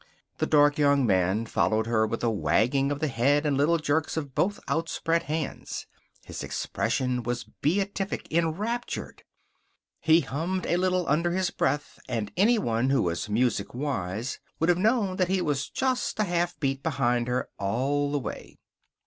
The dark young man followed her with a wagging of the head and little jerks of both outspread hands. His expression was beatific, enraptured. He hummed a little under his breath and anyone who was music wise would have known that he was just a half beat behind her all the way.